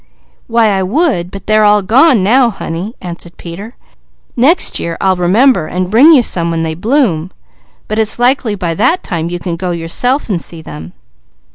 "Why I would, but they are all gone now, honey," answered Peter. "Next year I'll remember and bring you some when they bloom. But it's likely by that time you can go yourself, and see them."